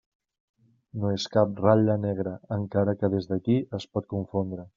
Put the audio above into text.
No és cap ratlla negra encara que des d'ací es pot confondre.